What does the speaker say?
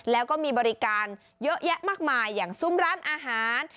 แล้วก็มีบริการเยอะแยะมากมายอย่างซุ้มร้านอาหาร